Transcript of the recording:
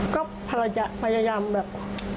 ก็พยายามแบบ